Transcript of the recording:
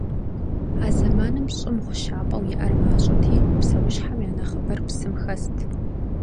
А зэманым Щӏым гъущапӏэу иӏэр мащӏэти, псэущхьэм я нэхъыбэр псым хэст.